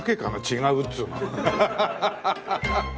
違うっつうの。